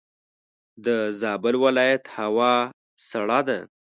دزابل ولایت هوا سړه ده.